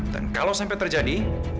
dan kalau sampai terjadi